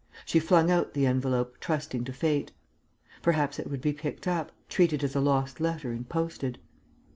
She flung out the envelope, trusting to fate. Perhaps it would be picked up, treated as a lost letter and posted.